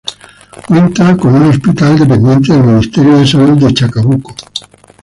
Cuenta con un Hospital dependiente del Ministerio de Salud de Chacabuco.